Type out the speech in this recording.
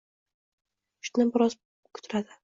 Shundan keyin biroz kutiladi.